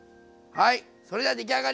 はい。